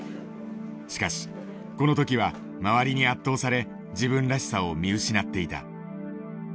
しかしこの時は周りに圧倒され自分らしさを見失っていた。